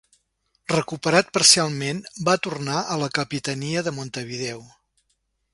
Recuperat parcialment va tornar a la capitania a Montevideo.